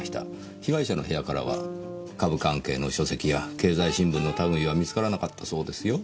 被害者の部屋からは株関係の書籍や経済新聞の類は見つからなかったそうですよ。